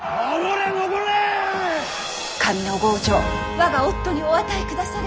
我が夫にお与えくだされ！